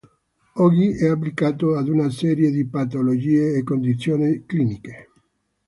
Oggi è applicato ad una serie di patologie e condizioni cliniche.